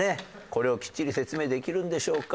これをきっちり説明できるんでしょうか？